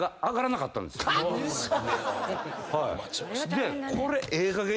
でこれ。